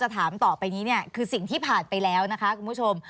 ถามต่อไปนี้เนี่ยคือสิ่งที่ผ่านไปแล้วนะคะคุณผู้ชม